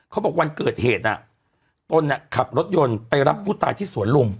เขาบอกวันเกิดเหตุอ่ะต้นเนี้ยขับรถยนต์ไปรับผู้ตายที่สวนลุม